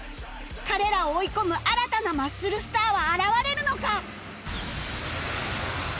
彼らを追い込む新たなマッスルスターは現れるのか？